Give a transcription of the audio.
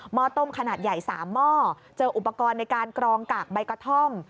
้อต้มขนาดใหญ่๓หม้อเจออุปกรณ์ในการกรองกากใบกระท่อม